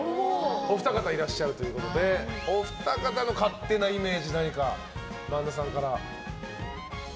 お二方いらっしゃるということでお二方の勝手なイメージ萬田さんからありますか？